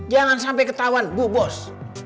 jangan sampai ketahuan bu bos